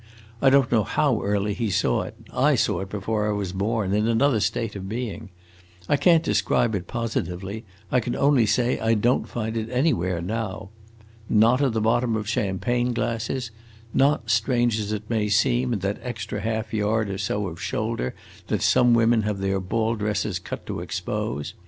I don't know how early he saw it; I saw it before I was born in another state of being! I can't describe it positively; I can only say I don't find it anywhere now. Not at the bottom of champagne glasses; not, strange as it may seem, in that extra half yard or so of shoulder that some women have their ball dresses cut to expose.